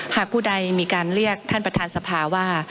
ผู้ใดมีการเรียกท่านประธานสภาว่า